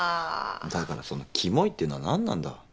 だからそのキモいっていうのは何なんだ？